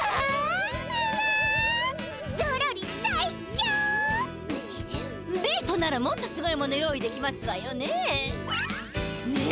ビートならもっとすごいもの用意できますわよね？ね？